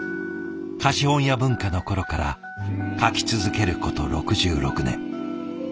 貸本屋文化の頃から描き続けること６６年。